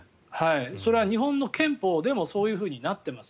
それは日本の憲法でもそういうふうになっています。